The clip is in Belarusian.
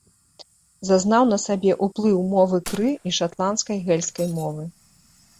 Зазнаў на сабе ўплыў мовы кры і шатландскай гэльскай мовы.